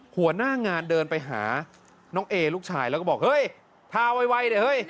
หัวหน้างานเดินไปหาน้องเอลูกชายแล้วก็บอกเฮ้ยทาไวเลยเฮ้ย